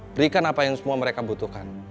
berikan apa yang semua mereka butuhkan